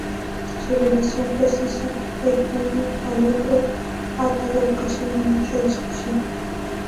Su relación precisa el uno al otro ha dado ocasión a mucha discusión.